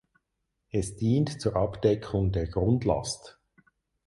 Es dient zur Abdeckung der Grundlast.